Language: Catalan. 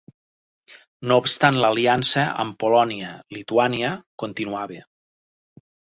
No obstant l'aliança amb Polònia-Lituània continuava.